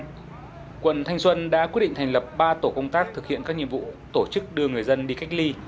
quận thanh xuân đã quyết định thành lập ba tổ công tác thực hiện các nhiệm vụ tổ chức đưa người dân đi cách ly